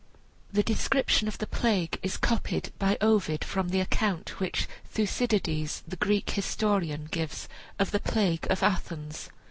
This description of the plague is copied by Ovid from the account which Thucydides, the Greek historian, gives of the plague of Athens.